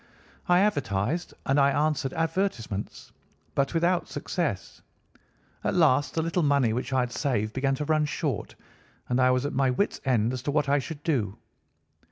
I advertised, and I answered advertisements, but without success. At last the little money which I had saved began to run short, and I was at my wit's end as to what I should do.